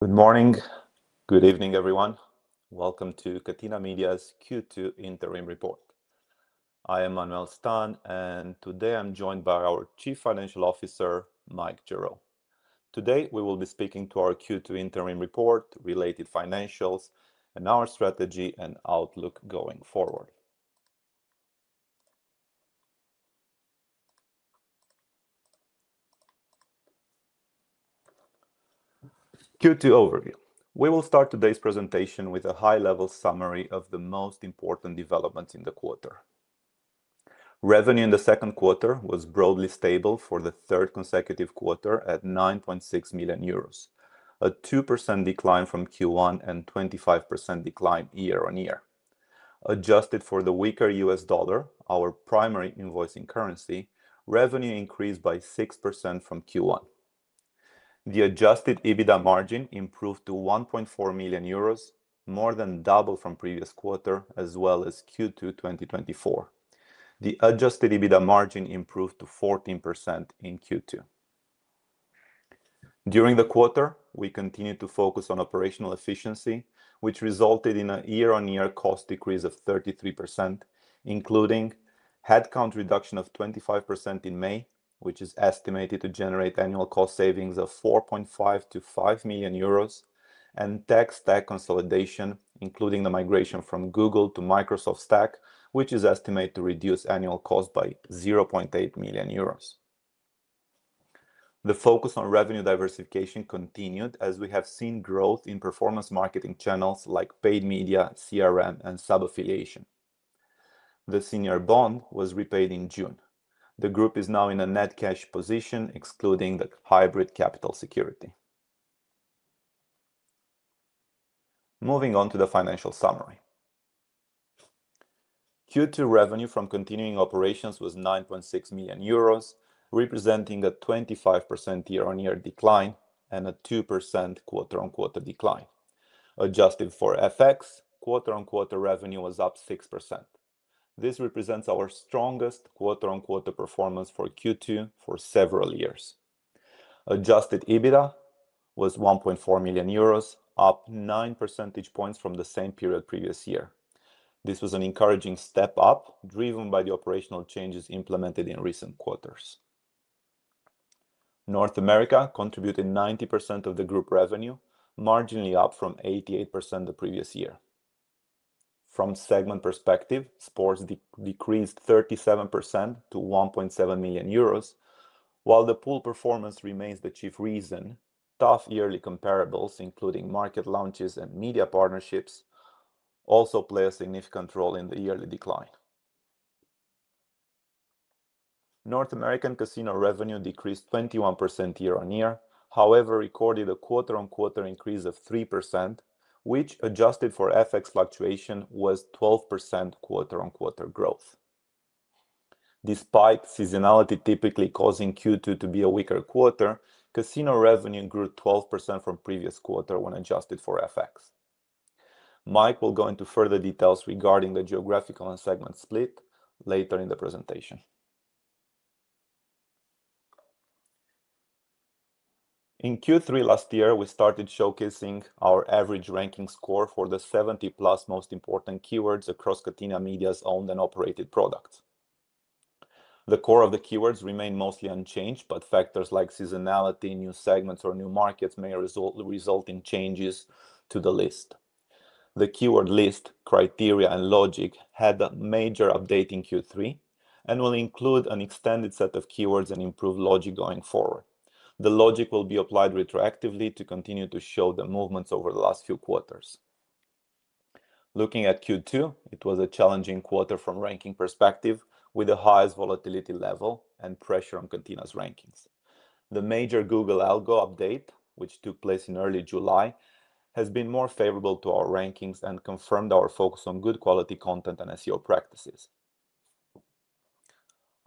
Good morning. Good evening, everyone. Welcome to Catena Media's Q2 Interim Report. I am Manuel Stan, and today I'm joined by our Chief Financial Officer, Mike Gerrow. Today, we will be speaking to our Q2 interim report, related financials, and our strategy and outlook going forward. Q2 overview. We will start today's presentation with a high-level summary of the most important developments in the quarter. Revenue in the second quarter was broadly stable for the third consecutive quarter at €9.6 million, a 2% decline from Q1 and a 25% decline year-on-year. Adjusted for the weaker U.S., dollar, our primary invoicing currency, revenue increased by 6% from Q1. The adjusted EBITDA margin improved to €1.4 million, more than double from the previous quarter, as well as Q2 2024. The adjusted EBITDA margin improved to 14% in Q2. During the quarter, we continued to focus on operational efficiency, which resulted in a year-on-year cost decrease of 33%, including headcount reduction of 25% in May, which is estimated to generate annual cost savings of €4.5 million-€5 million, and tech stack consolidation, including the migration from Google to Microsoft Stack, which is estimated to reduce annual costs by €0.8 million. The focus on revenue diversification continued, as we have seen growth in performance marketing channels like paid media, CRM, and sub-affiliation. The senior bond was repaid in June. The group is now in a net cash position, excluding the hybrid capital security. Moving on to the financial summary. Q2 revenue from continuing operations was €9.6 million, representing a 25% year-on-year decline and a 2% quarter-on-quarter decline. Adjusted for FX, quarter-on-quarter revenue was up 6%. This represents our strongest quarter-on-quarter performance for Q2 for several years. Adjusted EBITDA was €1.4 million, up 9 percentage points from the same period previous year. This was an encouraging step up, driven by the operational changes implemented in recent quarters. North America contributed 90% of the group revenue, marginally up from 88% the previous year. From a segment perspective, sports decreased 37% to €1.7 million. While the pool performance remains the chief reason, tough yearly comparables, including market launches and media partnerships, also play a significant role in the yearly decline. North American casino revenue decreased 21% year-on-year, however, it recorded a quarter-on-quarter increase of 3%, which, adjusted for FX fluctuation, was 12% quarter-on-quarter growth. Despite seasonality typically causing Q2 to be a weaker quarter, casino revenue grew 12% from the previous quarter when adjusted for FX. Mike will go into further details regarding the geographical and segment split later in the presentation. In Q3 last year, we started showcasing our average ranking score for the 70 plus most important keywords across Catena Media's owned and operated products. The core of the keywords remained mostly unchanged, but factors like seasonality, new segments, or new markets may result in changes to the list. The keyword list criteria and logic had a major update in Q3 and will include an extended set of keywords and improved logic going forward. The logic will be applied retroactively to continue to show the movements over the last few quarters. Looking at Q2, it was a challenging quarter from a ranking perspective, with the highest volatility level and pressure on Catena Media's rankings. The major Google Algo update, which took place in early July, has been more favorable to our rankings and confirmed our focus on good quality content and SEO practices.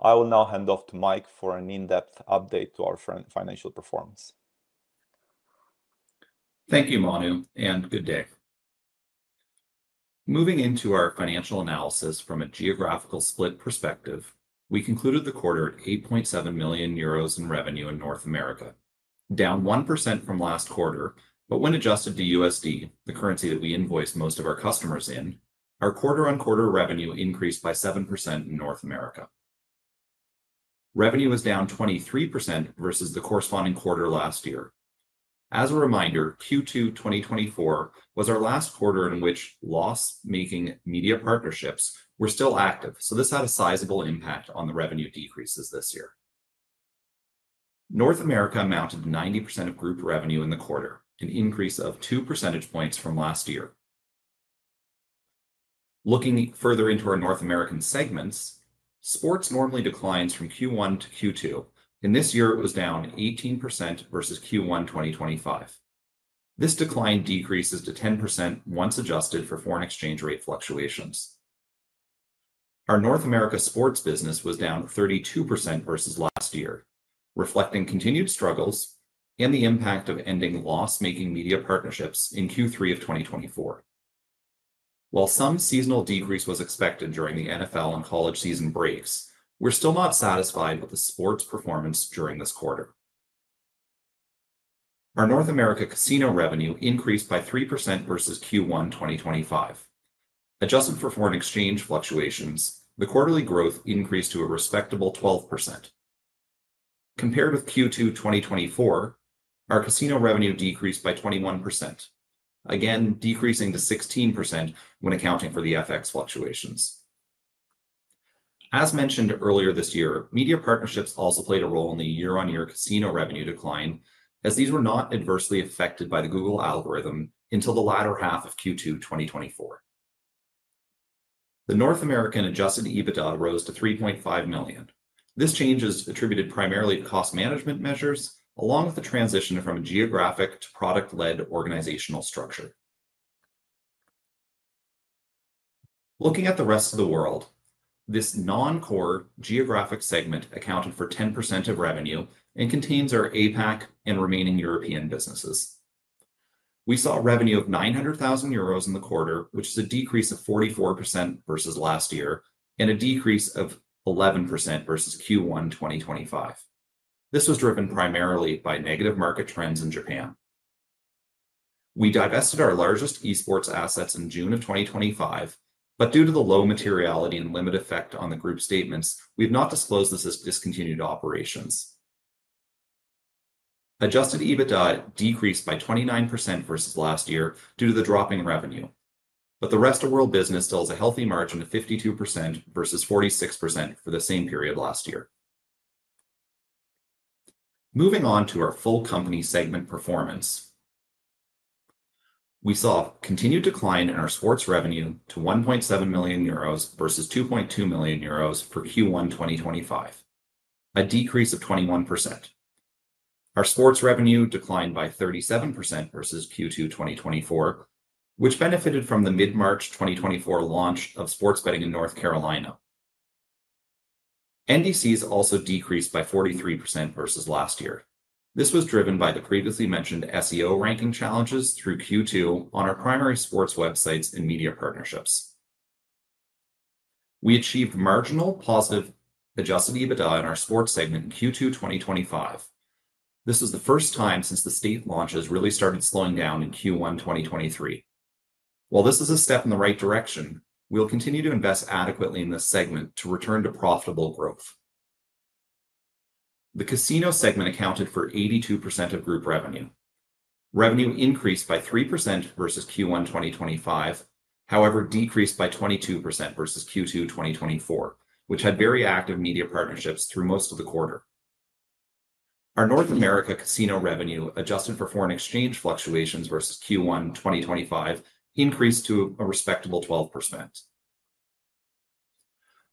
I will now hand off to Mike for an in-depth update to our financial performance. Thank you, Manuel, and good day. Moving into our financial analysis from a geographical split perspective, we concluded the quarter at €8.7 million in revenue in North America, down 1% from last quarter, but when adjusted to USD, the currency that we invoice most of our customers in, our quarter-on-quarter revenue increased by 7% in North America. Revenue was down 23% versus the corresponding quarter last year. As a reminder, Q2 2024 was our last quarter in which loss-making media partnerships were still active, so this had a sizable impact on the revenue decreases this year. North America amounted to 90% of group revenue in the quarter, an increase of two percentage points from last year. Looking further into our North American segments, sports normally declines from Q1 to Q2, and this year it was down 18% versus Q1 2025. This decline decreases to 10% once adjusted for foreign exchange rate fluctuations. Our North America sports business was down 32% versus last year, reflecting continued struggles and the impact of ending loss-making media partnerships in Q3 of 2024. While some seasonal decrease was expected during the NFL and college season breaks, we're still not satisfied with the sports performance during this quarter. Our North America casino revenue increased by 3% versus Q1 2025. Adjusted for foreign exchange fluctuations, the quarterly growth increased to a respectable 12%. Compared with Q2 2024, our casino revenue decreased by 21%, again decreasing to 16% when accounting for the FX fluctuations. As mentioned earlier this year, media partnerships also played a role in the year-on-year casino revenue decline, as these were not adversely affected by the Google algorithm until the latter half of Q2 2024. The North American adjusted EBITDA rose to €3.5 million. This change is attributed primarily to cost management measures, along with the transition from a geographic to product-led organizational structure. Looking at the rest of the world, this non-core geographic segment accounted for 10% of revenue and contains our APAC and remaining European businesses. We saw a revenue of €900,000 in the quarter, which is a decrease of 44% versus last year and a decrease of 11% versus Q1 2025. This was driven primarily by negative market trends in Japan. We divested our largest eSports assets in June of 2025, but due to the low materiality and limited effect on the group statements, we have not disclosed this as discontinued operations. Adjusted EBITDA decreased by 29% versus last year due to the drop in revenue, but the rest of the world business still has a healthy margin of 52% versus 46% for the same period last year. Moving on to our full company segment performance, we saw a continued decline in our sports revenue to €1.7 million versus €2.2 million for Q1 2025, a decrease of 21%. Our sports revenue declined by 37% versus Q2 2024, which benefited from the mid-March 2024 launch of sports betting in North Carolina. NDCs also decreased by 43% versus last year. This was driven by the previously mentioned SEO ranking challenges through Q2 on our primary sports websites and media partnerships. We achieved marginal positive adjusted EBITDA in our sports segment in Q2 2025. This was the first time since the state launches really started slowing down in Q1 2023. While this is a step in the right direction, we'll continue to invest adequately in this segment to return to profitable growth. The casino segment accounted for 82% of group revenue. Revenue increased by 3% versus Q1 2025, however, decreased by 22% versus Q2 2024, which had very active media partnerships through most of the quarter. Our North America casino revenue adjusted for foreign exchange fluctuations versus Q1 2025 increased to a respectable 12%.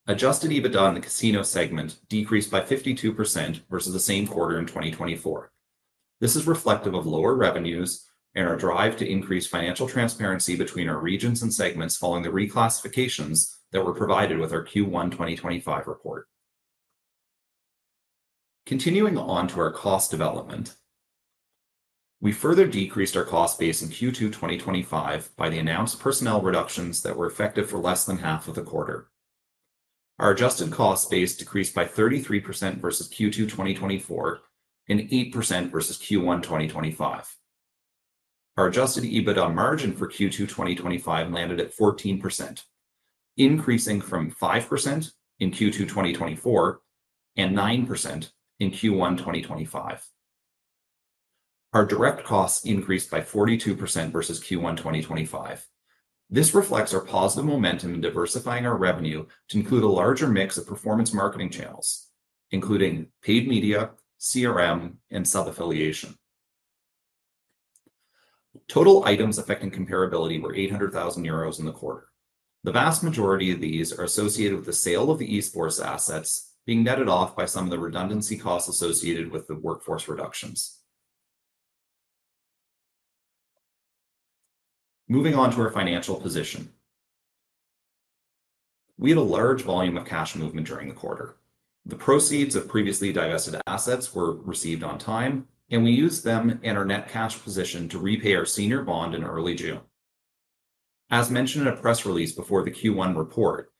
Adjusted EBITDA in the casino segment decreased by 52% versus the same quarter in 2024. This is reflective of lower revenues and our drive to increase financial transparency between our regions and segments following the reclassifications that were provided with our Q1 2025 report. Continuing on to our cost development, we further decreased our cost base in Q2 2025 by the announced personnel reductions that were effective for less than half of the quarter. Our adjusted cost base decreased by 33% versus Q2 2024 and 8% versus Q1 2025. Our adjusted EBITDA margin for Q2 2025 landed at 14%, increasing from 5% in Q2 2024 and 9% in Q1 2025. Our direct costs increased by 42% versus Q1 2025. This reflects our positive momentum in diversifying our revenue to include a larger mix of performance marketing channels, including paid media, CRM, and sub-affiliation. Total items affecting comparability were €800,000 in the quarter. The vast majority of these are associated with the sale of the eSports properties being netted off by some of the redundancy costs associated with the workforce reductions. Moving on to our financial position, we had a large volume of cash movement during the quarter. The proceeds of previously divested assets were received on time, and we used them in our net cash position to repay our senior bond in early June. As mentioned in a press release before the Q1 report,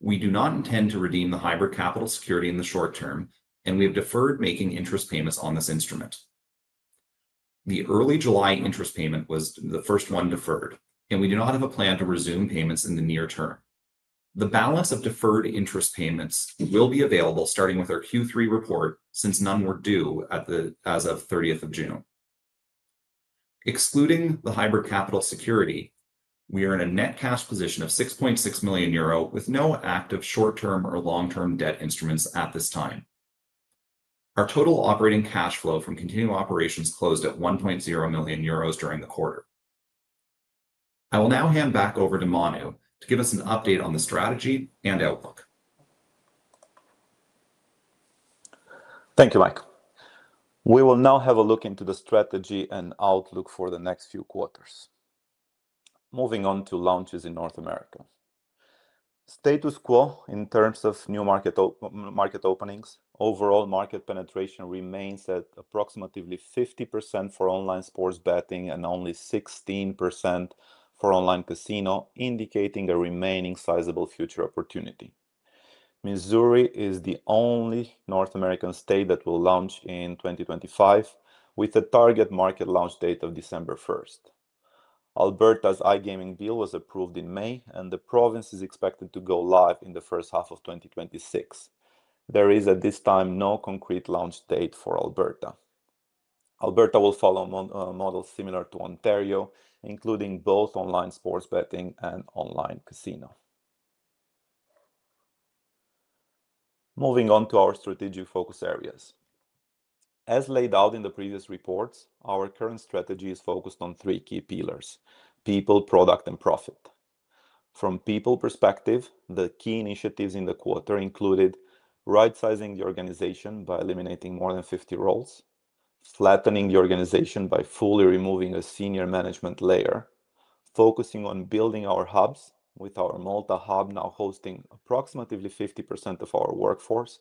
we do not intend to redeem the hybrid capital security in the short term, and we have deferred making interest payments on this instrument. The early July interest payment was the first one deferred, and we do not have a plan to resume payments in the near term. The balance of deferred interest payments will be available starting with our Q3 report, since none were due as of June 30. Excluding the hybrid capital security, we are in a net cash position of €6.6 million with no active short-term or long-term debt instruments at this time. Our total operating cash flow from continuing operations closed at €1.0 million during the quarter. I will now hand back over to Manu to give us an update on the strategy and outlook. Thank you, Mike. We will now have a look into the strategy and outlook for the next few quarters. Moving on to launches in North America. Status quo in terms of new market openings. Overall market penetration remains at approximately 50% for online sports betting and only 16% for online casino, indicating a remaining sizable future opportunity. Missouri is the only North American state that will launch in 2025, with a target market launch date of December 1st. Alberta's iGaming deal was approved in May, and the province is expected to go live in the first half of 2026. There is at this time no concrete launch date for Alberta. Alberta will follow a model similar to Ontario, including both online sports betting and online casino. Moving on to our strategic focus areas. As laid out in the previous reports, our current strategy is focused on three key pillars: people, product, and profit. From a people perspective, the key initiatives in the quarter included right-sizing the organization by eliminating more than 50 roles, flattening the organization by fully removing a senior management layer, focusing on building our hubs, with our Malta hub now hosting approximately 50% of our workforce,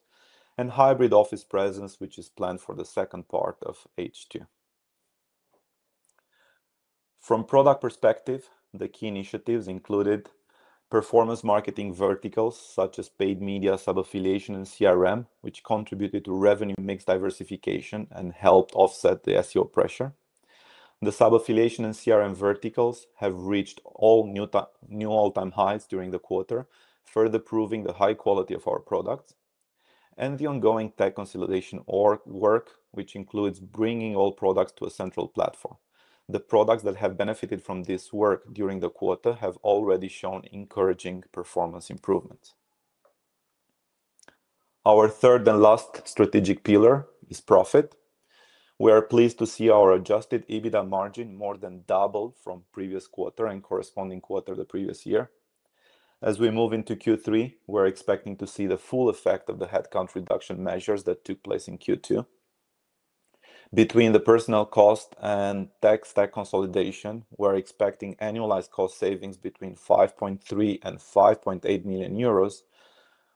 and hybrid office presence, which is planned for the second part of H2. From a product perspective, the key initiatives included performance marketing verticals such as paid media, sub-affiliation, and CRM, which contributed to revenue mix diversification and helped offset the SEO pressure. The sub-affiliation and CRM verticals have reached all new all-time highs during the quarter, further proving the high quality of our products, and the ongoing tech consolidation work, which includes bringing all products to a central platform. The products that have benefited from this work during the quarter have already shown encouraging performance improvements. Our third and last strategic pillar is profit. We are pleased to see our adjusted EBITDA margin more than doubled from the previous quarter and corresponding quarter of the previous year. As we move into Q3, we're expecting to see the full effect of the headcount reduction measures that took place in Q2. Between the personnel cost and tech stack consolidation, we're expecting annualized cost savings between €5.3 million and €5.8 million,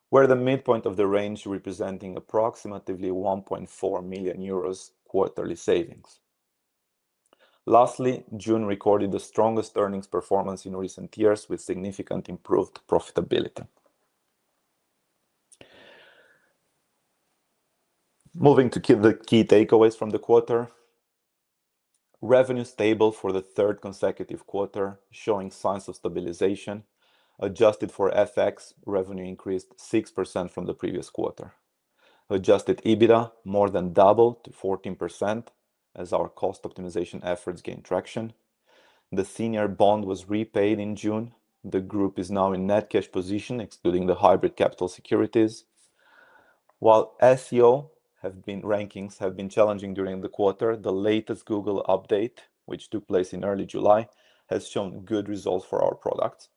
where the midpoint of the range representing approximately €1.4 million quarterly savings. Lastly, June recorded the strongest earnings performance in recent years, with significantly improved profitability. Moving to keep the key takeaways from the quarter, revenue stable for the third consecutive quarter, showing signs of stabilization. Adjusted for FX, revenue increased 6% from the previous quarter. Adjusted EBITDA more than doubled to 14% as our cost optimization efforts gained traction. The senior bond was repaid in June. The group is now in a net cash position, excluding the hybrid capital securities. While SEO rankings have been challenging during the quarter, the latest Google update, which took place in early July, has shown good results for our products.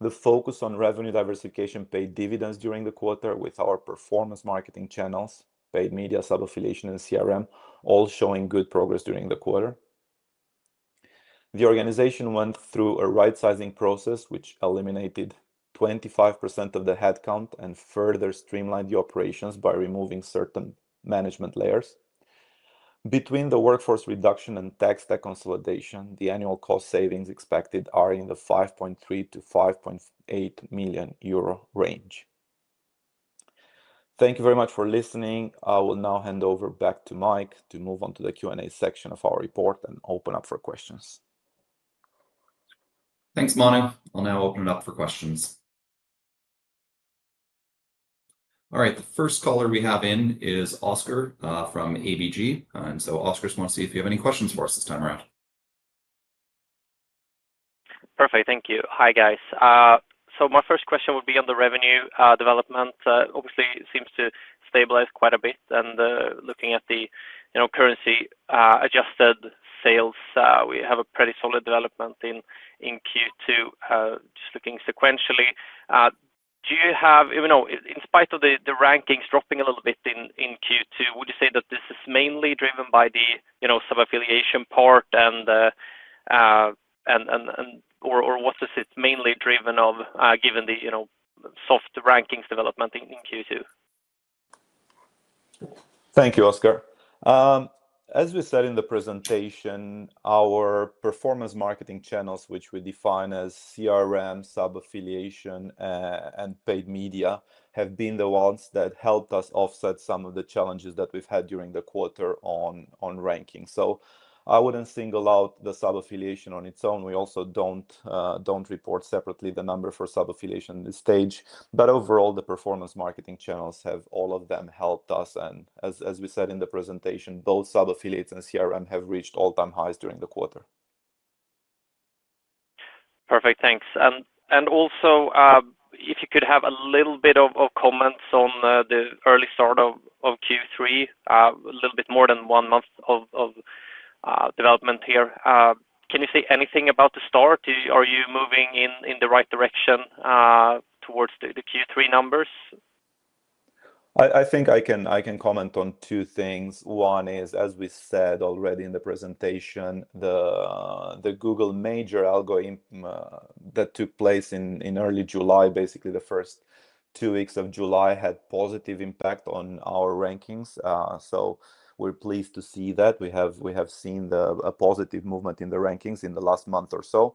The focus on revenue diversification paid dividends during the quarter, with our performance marketing channels, paid media, sub-affiliation, and CRM all showing good progress during the quarter. The organization went through a right-sizing process, which eliminated 25% of the headcount and further streamlined the operations by removing certain management layers. Between the workforce reduction and tech stack consolidation, the annual cost savings expected are in the €5.3 million-€5.8 million range. Thank you very much for listening. I will now hand over back to Mike to move on to the Q&A section of our report and open up for questions. Thanks, Manuel. I'll now open it up for questions. All right, the first caller we have in is Oscar from ABG. Oscar, I just want to see if you have any questions for us this time around. Perfect, thank you. Hi guys. My first question would be on the revenue development. Obviously, it seems to stabilize quite a bit, and looking at the currency-adjusted sales, we have a pretty solid development in Q2. Just looking sequentially, do you have, in spite of the rankings dropping a little bit in Q2, would you say that this is mainly driven by the sub-affiliation part, or what is it mainly driven off, given the soft rankings development in Q2? Thank you, Oscar. As we said in the presentation, our performance marketing channels, which we define as CRM, sub-affiliation, and paid media, have been the ones that helped us offset some of the challenges that we've had during the quarter on ranking. I wouldn't single out the sub-affiliation on its own. We also don't report separately the number for sub-affiliation at this stage, but overall, the performance marketing channels have all of them helped us, and as we said in the presentation, both sub-affiliates and CRM have reached all-time highs during the quarter. Perfect, thanks. If you could have a little bit of comments on the early start of Q3, a little bit more than one month of development here, can you say anything about the start? Are you moving in the right direction towards the Q3 numbers? I think I can comment on two things. One is, as we said already in the presentation, the Google major algo that took place in early July, basically the first two weeks of July, had a positive impact on our rankings. We're pleased to see that. We have seen a positive movement in the rankings in the last month or so.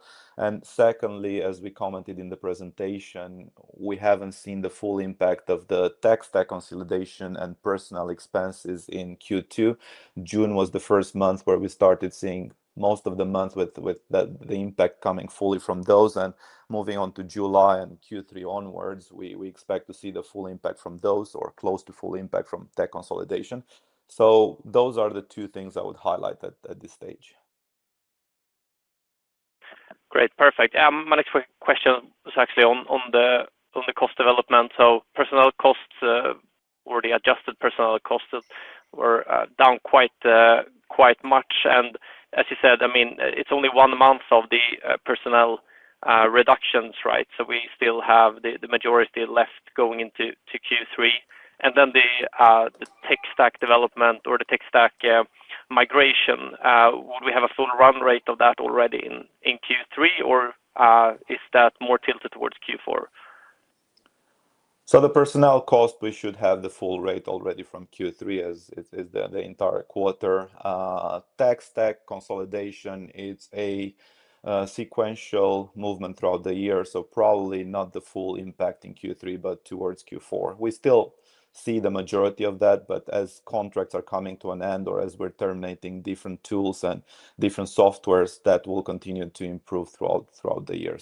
Secondly, as we commented in the presentation, we haven't seen the full impact of the tech stack consolidation and personnel expenses in Q2. June was the first month where we started seeing most of the month with the impact coming fully from those, and moving on to July and Q3 onwards, we expect to see the full impact from those or close to full impact from tech consolidation. Those are the two things I would highlight at this stage. Great, perfect. My next question is actually on the cost development. Personnel costs, or the adjusted personnel costs, were down quite much, and as you said, it's only one month of the personnel reductions, right? We still have the majority left going into Q3, and then the tech stack development or the tech stack migration, would we have a full run rate of that already in Q3, or is that more tilted towards Q4? The personnel cost, we should have the full rate already from Q3 as the entire quarter. Tech stack consolidation is a sequential movement throughout the year, so probably not the full impact in Q3, but towards Q4. We still see the majority of that, as contracts are coming to an end or as we're terminating different tools and different softwares, that will continue to improve throughout the year.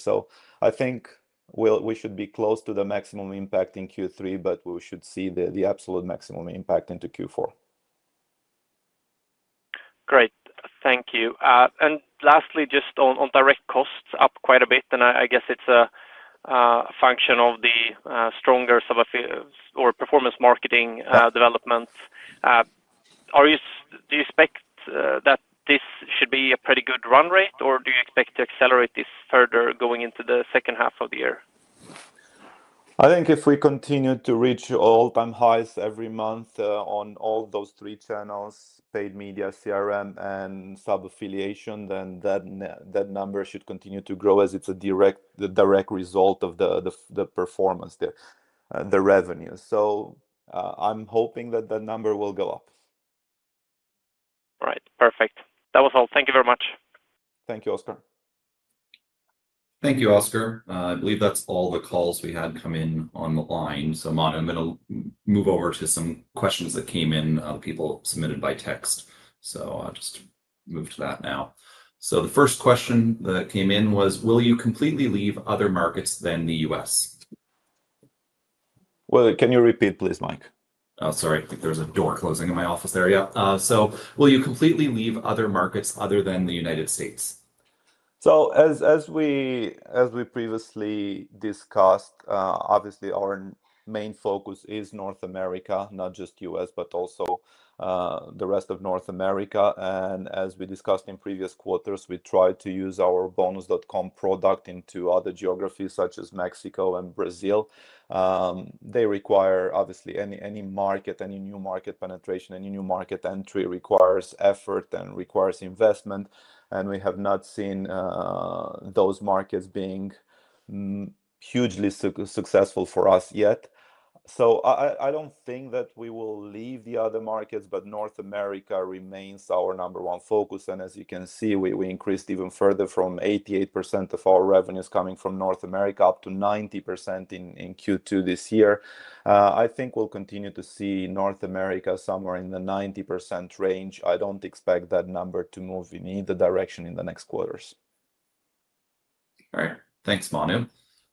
I think we should be close to the maximum impact in Q3, but we should see the absolute maximum impact into Q4. Great, thank you. Lastly, just on direct costs up quite a bit, I guess it's a function of the stronger performance marketing developments. Do you expect that this should be a pretty good run rate, or do you expect to accelerate this further going into the second half of the year? I think if we continue to reach all-time highs every month on all those three channels: paid media, CRM, and sub-affiliation, that number should continue to grow as it's a direct result of the performance and the revenue. I'm hoping that that number will go up. All right, perfect. That was all. Thank you very much. Thank you, Oscar. Thank you, Oscar. I believe that's all the calls we had come in on the line. Manu, I'm going to move over to some questions that came in, people submitted by text. I'll just move to that now. The first question that came in was, will you completely leave other markets than the U.S.? Can you repeat, please, Mike? Sorry, I think there's a door closing in my office area. Will you completely leave other markets other than the United States? As we previously discussed, obviously our main focus is North America, not just the U.S., but also the rest of North America. As we discussed in previous quarters, we tried to use our Bonus.com product in other geographies such as Mexico and Brazil. They require, obviously, any market, any new market penetration, any new market entry requires effort and requires investment, and we have not seen those markets being hugely successful for us yet. I don't think that we will leave the other markets, but North America remains our number one focus. As you can see, we increased even further from 88% of our revenues coming from North America up to 90% in Q2 this year. I think we'll continue to see North America somewhere in the 90% range. I don't expect that number to move in either direction in the next quarters. All right, thanks, Manuel.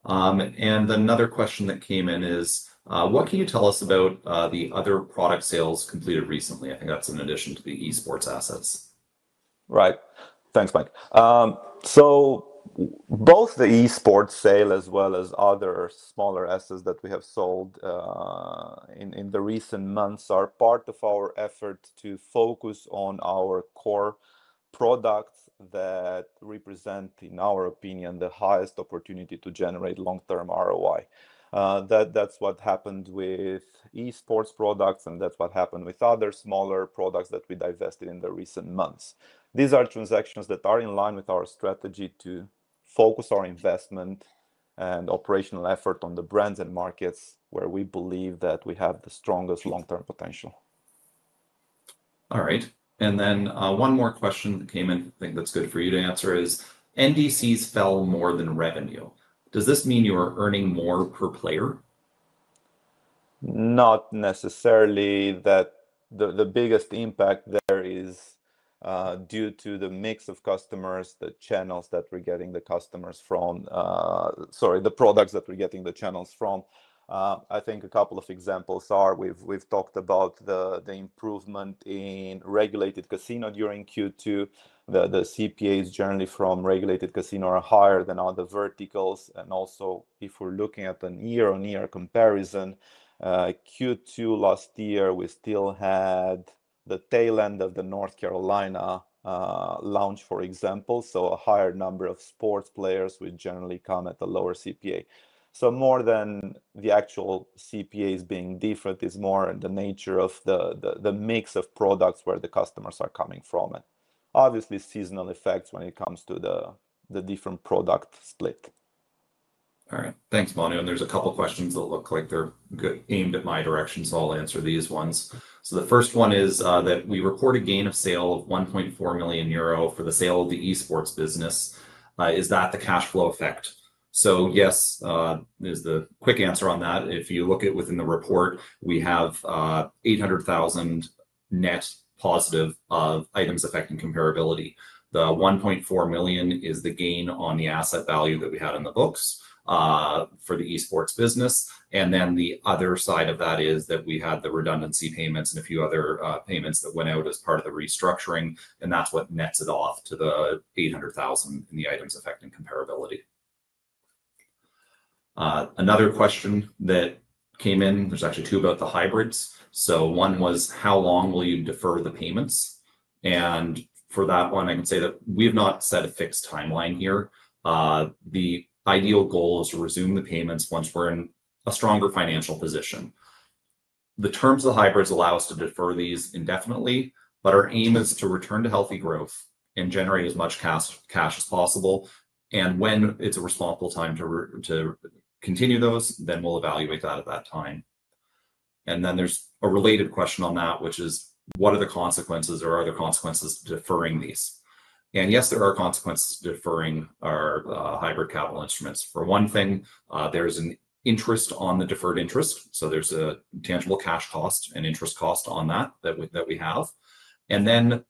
Another question that came in is, what can you tell us about the other product sales completed recently? I think that's in addition to the eSports properties. Right, thanks, Mike. Both the eSports sale as well as other smaller assets that we have sold in the recent months are part of our efforts to focus on our core products that represent, in our opinion, the highest opportunity to generate long-term ROI. That's what happened with eSports properties, and that's what happened with other smaller products that we divested in the recent months. These are transactions that are in line with our strategy to focus our investment and operational effort on the brands and markets where we believe that we have the strongest long-term potential. All right, and then one more question that came in, I think that's good for you to answer, is NDCs fell more than revenue. Does this mean you are earning more per player? Not necessarily. The biggest impact there is due to the mix of customers, the channels that we're getting the customers from, the products that we're getting the channels from. I think a couple of examples are we've talked about the improvement in regulated casino during Q2. The CPAs generally from regulated casino are higher than other verticals. Also, if we're looking at a year-on-year comparison, Q2 last year, we still had the tail end of the North Carolina launch, for example. A higher number of sports players would generally come at a lower CPA. More than the actual CPAs being different, it is more in the nature of the mix of products where the customers are coming from. Obviously, seasonal effects come into play when it comes to the different product split. All right, thanks, Manu. There's a couple of questions that look like they're aimed at my direction, so I'll answer these ones. The first one is that we report a gain of sale of €1.4 million for the sale of the eSports business. Is that the cash flow effect? Yes, there's the quick answer on that. If you look at within the report, we have €800,000 net positive of items affecting comparability. The €1.4 million is the gain on the asset value that we had in the books for the eSports business. The other side of that is that we had the redundancy payments and a few other payments that went out as part of the restructuring, and that's what nets it off to the €800,000 in the items affecting comparability. Another question that came in, there's actually two about the hybrids. One was how long will you defer the payments? For that one, I can say that we have not set a fixed timeline here. The ideal goal is to resume the payments once we're in a stronger financial position. The terms of the hybrids allow us to defer these indefinitely, but our aim is to return to healthy growth and generate as much cash as possible. When it's a responsible time to continue those, then we'll evaluate that at that time. There's a related question on that, which is what are the consequences or are there consequences to deferring these? Yes, there are consequences to deferring our hybrid capital instruments. For one thing, there's an interest on the deferred interest. There's a tangible cash cost and interest cost on that that we have.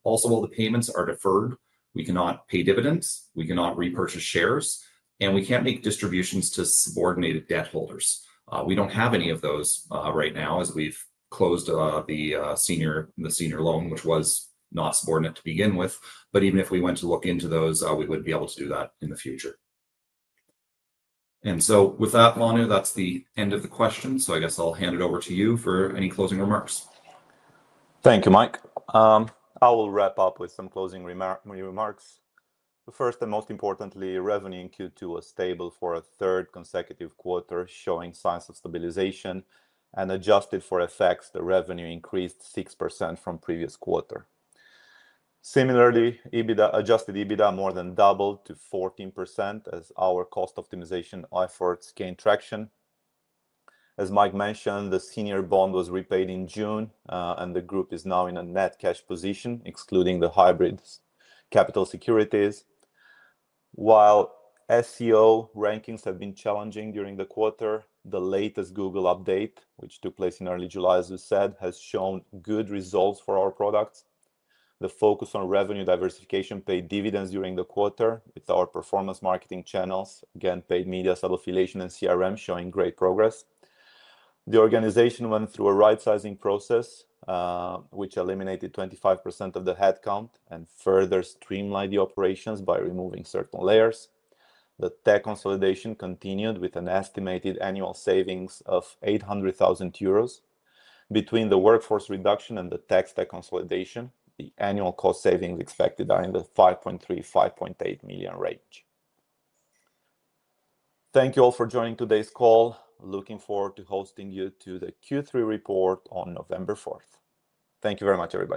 Also, while the payments are deferred, we cannot pay dividends, we cannot repurchase shares, and we can't make distributions to subordinated debt holders. We don't have any of those right now as we've closed the senior loan, which was not subordinate to begin with. Even if we went to look into those, we wouldn't be able to do that in the future. With that, Manu, that's the end of the questions. I guess I'll hand it over to you for any closing remarks. Thank you, Mike. I will wrap up with some closing remarks. First and most importantly, revenue in Q2 was stable for a third consecutive quarter, showing signs of stabilization and, adjusted for effects, the revenue increased 6% from the previous quarter. Similarly, adjusted EBITDA more than doubled to 14% as our cost optimization efforts gained traction. As Mike mentioned, the senior bond was repaid in June, and the group is now in a net cash position, excluding the hybrid capital securities. While SEO rankings have been challenging during the quarter, the latest Google update, which took place in early July, as you said, has shown good results for our products. The focus on revenue diversification paid dividends during the quarter with our performance marketing channels, again, paid media, sub-affiliation, and CRM showing great progress. The organization went through a right-sizing process, which eliminated 25% of the headcount and further streamlined the operations by removing certain layers. The tech consolidation continued with an estimated annual savings of €800,000. Between the workforce reduction and the tech stack consolidation, the annual cost savings expected are in the €5.3 million-€5.8 million range. Thank you all for joining today's call. Looking forward to hosting you for the Q3 report on November 4th. Thank you very much, everybody.